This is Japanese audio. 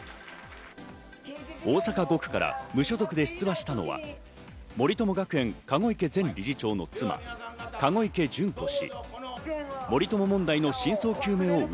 大阪５区から無所属で出馬したのは森友学園、籠池前理事長の妻、籠池諄子氏。